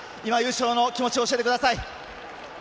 優勝の気持ちを教えてください。